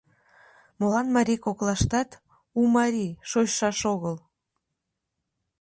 Молан марий коклаштат «у марий» шочшаш огыл?